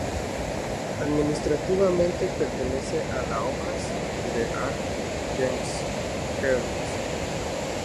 Administrativamente, pertenece a la óblast de Arjánguelsk.